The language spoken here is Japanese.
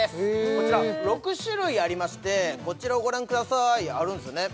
こちら６種類ありましてこちらをご覧くださいあるんですよね